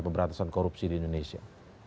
pemberantasan korupsi di indonesia